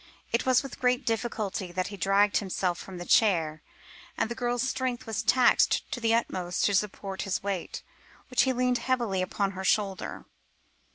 It was with great difficulty that he dragged himself from his chair, and the girl's strength was taxed to the utmost to support his weight, when he leant heavily upon her shoulder.